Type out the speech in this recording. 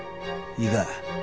いいか。